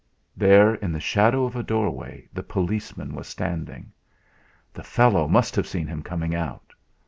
There in the shadow of a doorway the policeman was standing. The fellow must have seen him coming out!